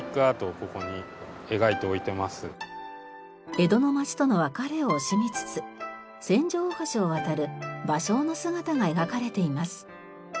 江戸の町との別れを惜しみつつ千住大橋を渡る芭蕉の姿が描かれています。